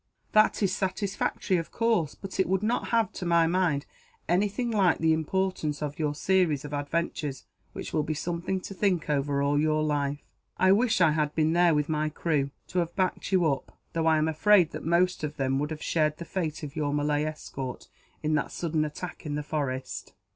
"That is satisfactory, of course; but it would not have, to my mind, anything like the importance of your series of adventures, which will be something to think over all your life. I wish I had been there, with my crew, to have backed you up; though I am afraid that most of them would have shared the fate of your Malay escort, in that sudden attack in the forest."